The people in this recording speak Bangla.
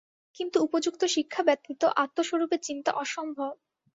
কিন্তু উপযুক্ত শিক্ষা ব্যতীত আত্মস্বরূপে চিন্তা অসম্ভব।